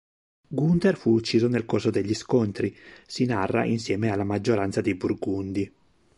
Gunther fu ucciso nel corso degli scontri, si narra insieme alla maggioranza dei Burgundi.